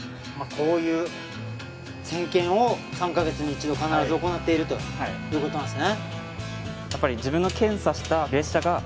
こういう点検を３カ月に一度必ず行っているということなんですね